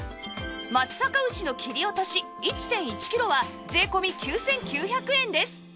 松阪牛の切り落とし １．１ キロは税込９９００円です